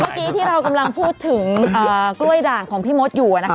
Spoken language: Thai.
เมื่อกี้ที่เรากำลังพูดถึงกล้วยด่างของพี่มดอยู่